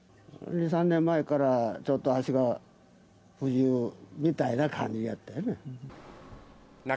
２、３年前からちょっと足が不自由みたいな感じやったね。